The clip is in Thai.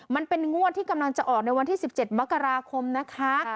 มันเป็นงวดที่กำลังจะออกในวันที่๑๗มกราคมนะคะ